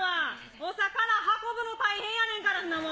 お魚運ぶの大変やねんから、そんなもん。